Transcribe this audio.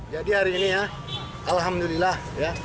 jadi hari ini ya alhamdulillah